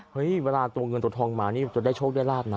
เวลาตัวเงินตัวทองหมานี่จะได้โชคได้ลาบนะ